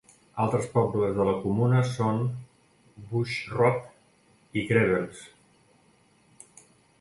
Altres pobles de la comuna són Buschrodt i Grevels.